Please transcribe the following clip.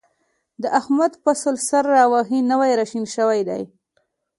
د احمد فصل سر را وهلی، نوی را شین شوی دی.